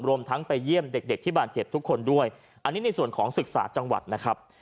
รวมทั้งไปเยี่ยมเด็กเด็กที่บาดเจ็บทุกคนด้วยอันนี้ในส่วนของศึกษาจังหวัดนะครับ